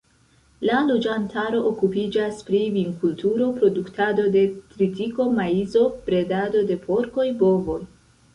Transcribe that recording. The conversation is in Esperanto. La loĝantaro okupiĝas pri vinkulturo, produktado de tritiko, maizo, bredado de porkoj, bovoj.